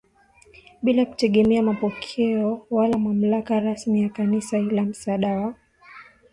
bila kutegemea mapokeo wala mamlaka rasmi ya Kanisa ila msaada wa